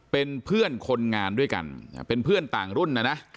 เป็นเพื่อนคนงานด้วยกันเป็นเพื่อนต่างรุ่นนะนะ